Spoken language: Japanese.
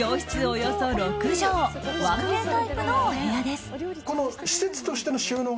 およそ６畳１Ｋタイプのお部屋です。